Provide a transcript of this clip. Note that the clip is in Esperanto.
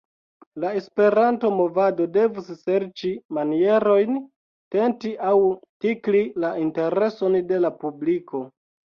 La Esperanto-movado devus serĉi manierojn tenti aŭ tikli la intereson de la publiko.